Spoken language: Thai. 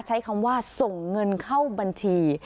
ใช้คำว่าส่งเงินเข้าบัญชี